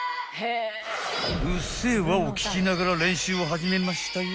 ［『うっせぇわ』を聴きながら練習を始めましたよ］